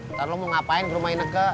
ntar lo mau ngapain di rumah neke